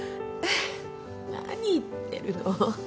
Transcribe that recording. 何言ってるの。